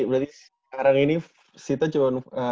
berarti sekarang ini kita cuma